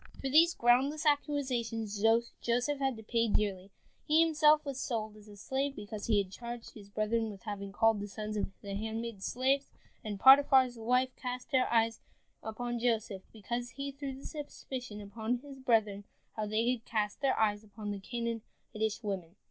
For these groundless accusations Joseph had to pay dearly. He was himself sold as a slave, because he had charged his brethren with having called the sons of the handmaids slaves, and Potiphar's wife cast her eyes upon Joseph, because he threw the suspicion upon his brethren that they had cast their eyes upon the Canaanitish women.